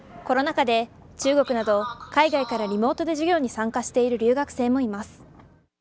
コロナ禍で中国など海外からリモートで授業に参加している留学生もいます。